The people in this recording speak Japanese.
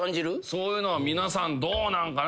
そういうのは皆さんどうなんかな。